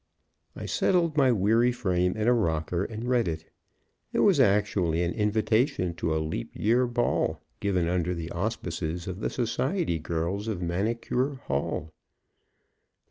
I settled my weary frame in a rocker and read it. It was actually an invitation to a Leap Year Ball, given under the auspices of the society girls of Manicure Hall.